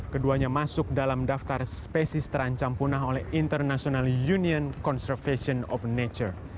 keduanya masuk dalam daftar spesies terancam punah oleh international union conservation of nature